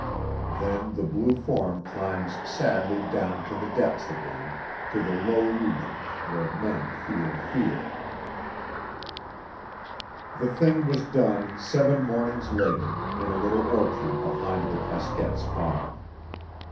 Then the Blue Form climbs sadly down to the depths again, to the low regions where men feel fear.... The thing was done seven mornings later, in a little orchard behind the Casquettes' farm.